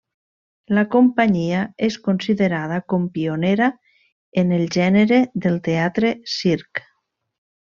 La companyia és considerada com pionera en el gènere del teatre-circ.